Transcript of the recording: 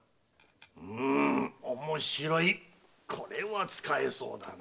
うむおもしろいこれは使えそうだな。